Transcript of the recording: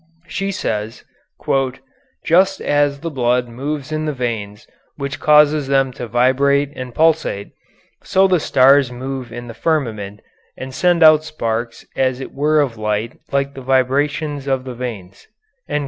She says: "Just as the blood moves in the veins which causes them to vibrate and pulsate, so the stars move in the firmament and send out sparks as it were of light like the vibrations of the veins."